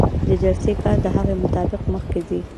د جلسې کار د هغې مطابق مخکې ځي.